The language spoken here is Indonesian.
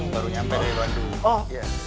emang baru nyampe dari luar dulu